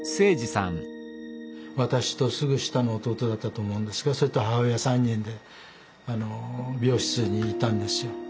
私とすぐ下の弟だったと思うんですがそれと母親３人で病室に行ったんですよ。